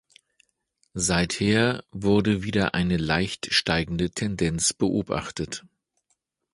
Seither wurde wieder eine leicht steigende Tendenz beobachtet.